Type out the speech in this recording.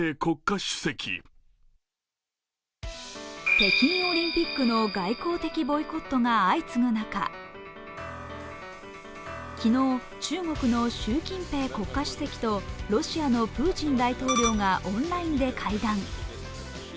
北京オリンピックの外交的ボイコットが相次ぐ中、昨日、中国の習近平国家主席とロシアのプーチン大統領がオンラインで会談。